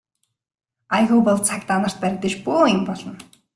Аягүй бол цагдаа нарт баригдаж бөөн юм болно.